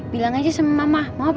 bilang aja sama mamah